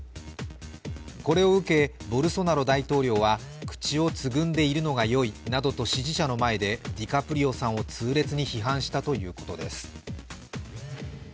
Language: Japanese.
これを受けボルソナロ大統領は口をつぐんでいるのがよいなどと支持者の前でディカプリオさんを痛烈に批判したということです。